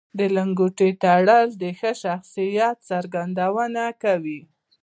د لنګوټې تړل د ښه شخصیت څرګندونه کوي